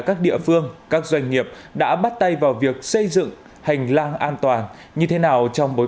các địa phương các doanh nghiệp đã bắt tay vào việc xây dựng hành lang an toàn như thế nào trong bối